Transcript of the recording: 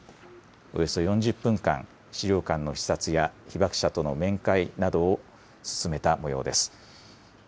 およそ４０分間、資料館の視察や被爆者との面会などを進めたもようです。